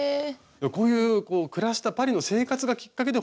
こういう暮らしたパリの生活がきっかけでほんとに子ども服